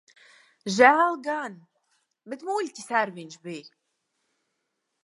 Žēl gan. Bet muļķis ar viņš bij.